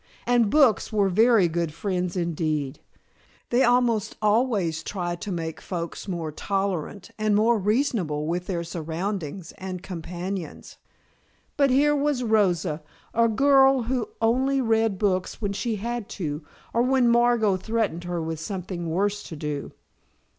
And books are very good friends indeed. They almost always try to make folks more tolerant and more reasonable with their surroundings and companions. But here was Rosa, a girl who only read books when she had to, or when Margot threatened her with something worse to do.